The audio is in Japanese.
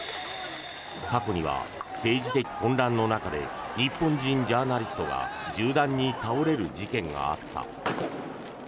過去には政治的混乱の中で日本人ジャーナリストが銃弾に倒れる事件があった。